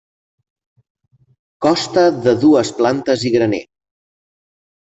Costa de dues plantes i graner.